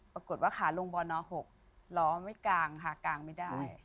ปรากฏว่าขาลงบน๖ล้อไม่กลางค่ะกลางไม่ได้